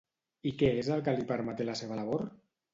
I què és el que li permeté la seva labor?